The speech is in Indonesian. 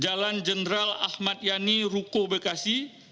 jalan jenderal ahmad yani ruko bekasi